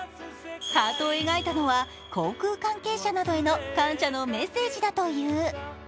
ハートを描いたのは航空関係者などへの感謝のメッセージだという。